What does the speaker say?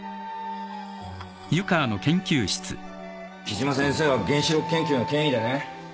木島先生は原子力研究の権威でね。